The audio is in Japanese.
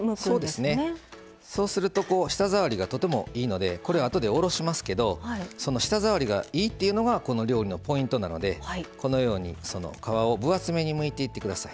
そうすると舌触りがとてもいいのであとで、おろしますけど舌触りがいいっていうのがこの料理のポイントなのでこのように皮をぶ厚めにむいていってください。